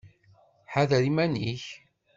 Ḥader iman-ik!